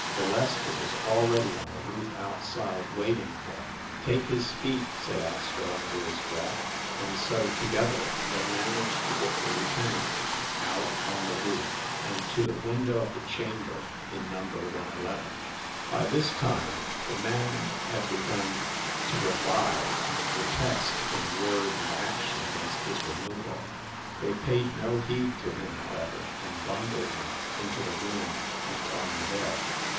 Valeska was already on the roof outside, waiting for him. "Take his feet !" said Astro under his breatH, and so together they managed to get the lieutenant out on the roof and to the window of the chamber in number in. By this time the man had begun to revive and to pro test in word and action against his removal. They paid no heed to him, however, and bundled him into the room and on the bed.